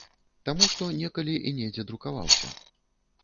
Таму што некалі і недзе друкаваўся.